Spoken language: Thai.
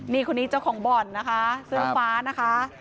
นี่คนนี้เจ้าของบ่อนนะคะเสื้อฟ้านะคะ